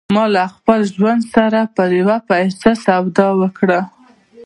ما له خپل ژوند سره پر يوه پيسه سودا وکړه.